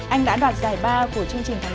anh đã đoạt giải ba của chương trình tháng tám